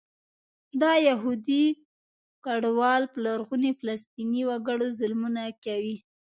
دا یهودي کډوال په لرغوني فلسطیني وګړو ظلمونه کوي.